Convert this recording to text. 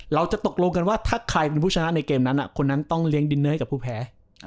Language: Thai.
เราจะตกลงกันว่าถ้าใครเป็นผู้ชนะในเกมนั้นคนนั้นต้องเลี้ยงดินเนอร์ให้กับผู้แพ้